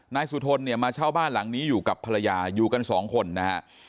นายสุธนเนี่ยมาเช่าบ้านหลังนี้อยู่กับภรรยาอยู่กันสองคนนะฮะ